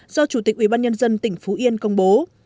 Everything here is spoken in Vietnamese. do chủ tịch ủy ban nhân dân tỉnh phú yên công bố